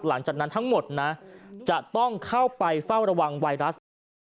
หลังจากนั้นทั้งหมดนะจะต้องเข้าไปเฝ้าระวังไวรัสนะครับ